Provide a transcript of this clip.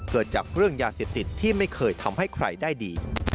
เกิดจากเรื่องยาเสพติดที่ไม่เคยทำให้ใครได้ดี